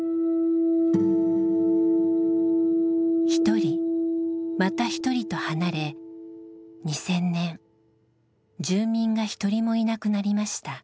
一人また一人と離れ２０００年住民が一人もいなくなりました。